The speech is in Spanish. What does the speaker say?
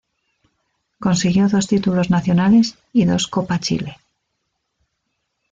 Consiguió dos títulos nacionales y dos Copa Chile.